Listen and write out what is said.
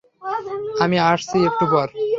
আমি আসছি একটু পর।